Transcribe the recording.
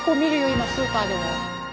今スーパーでも。